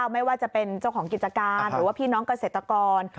ไม่ว่าจะเป็นเจ้าของกิจการหรือว่าพี่น้องเกษตรกร